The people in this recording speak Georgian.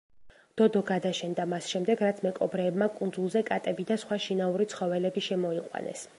დოდო გადაშენდა მას შემდეგ რაც მეკობრეებმა კუნძულზე კატები და სხვა შინაური ცხოველები შემოიყვანეს.